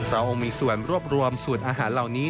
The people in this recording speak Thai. เราคงมีส่วนรวบรวมสูตรอาหารเหล่านี้